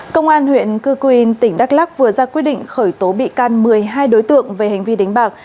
công an huyện cư quyên tỉnh đắk lắc vừa ra quyết định khởi tố bị can một mươi hai đối tượng về hành vi đánh bạc